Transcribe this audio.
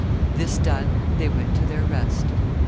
This done, they went to their rest.